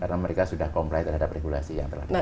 karena mereka sudah comply terhadap regulasi yang terlalu tinggi